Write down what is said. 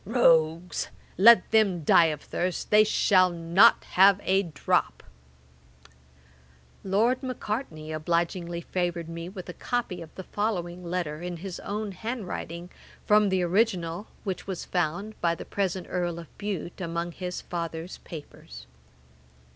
Rogues! let them die of thirst. They shall not have a drop!' [Page 380: Johnson's third letter to Baretti. A.D. 1762.] Lord Macartney obligingly favoured me with a copy of the following letter, in his own hand writing, from the original, which was found, by the present Earl of Bute, among his father's papers.